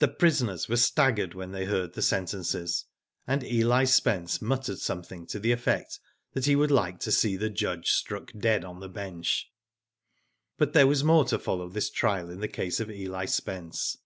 The prisoners were staggered when they heard the sentences, and Eli Spence muttered something to the effect that he would like to see the judge struck dead on the bench. But there was more to follow this trial in the case of Eli Spence.